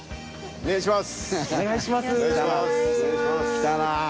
お願いします。